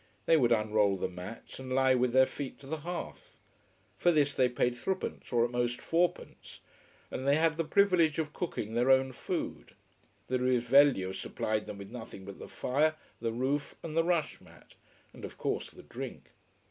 They would unroll the mats and lie with their feet to the hearth. For this they paid threepence, or at most fourpence. And they had the privilege of cooking their own food. The Risveglio supplied them with nothing but the fire, the roof, and the rush mat. And, of course, the drink.